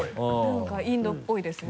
何かインドっぽいですね。